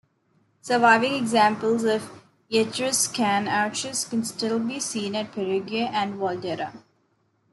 Surviving examples of Etruscan arches can still be seen at Perugia and Volterra.